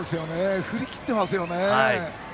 振り切ってますよね。